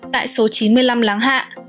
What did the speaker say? tại số chín mươi năm láng hạ